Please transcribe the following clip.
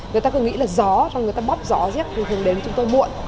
người ta cứ nghĩ là gió rồi người ta bóp gió giết thường đến chúng tôi muộn